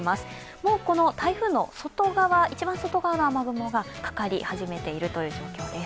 もう台風の一番外側の雨雲がかかり始めている状況です。